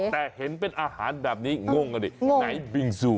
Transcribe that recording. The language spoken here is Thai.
แต่เห็นเป็นอาหารแบบนี้งงกันดิไหนบิงซู